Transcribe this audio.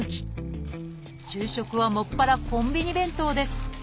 昼食はもっぱらコンビニ弁当です